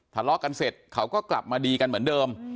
ทะเลาะกันเสร็จเขาก็กลับมาดีกันเหมือนเดิม